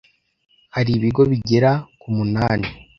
hari ibigo bigera ku umunani